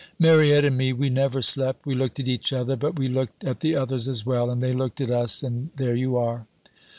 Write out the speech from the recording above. "Mariette and me, we never slept. We looked at each other, but we looked at the others as well, and they looked at us, and there you are.